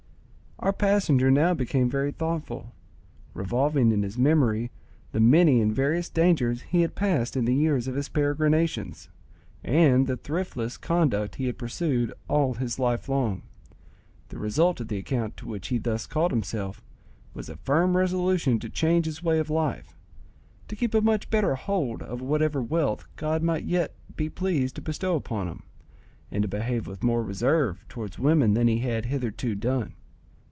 Our passenger now became very thoughtful, revolving in his memory the many and various dangers he had passed in the years of his peregrinations, and the thriftless conduct he had pursued all his life long. The result of the account to which he thus called himself was a firm resolution to change his way of life, to keep a much better hold of whatever wealth God might yet be pleased to bestow upon him, and to behave with more reserve towards women than he had hitherto done.